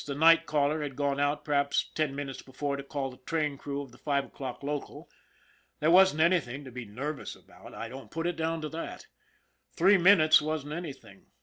The night caller had gone out perhaps ten minutes before to call the train crew of the five o'clock local. There wasn't anything to be nervous about. I don't put it down to that. Three minutes wasn't anything.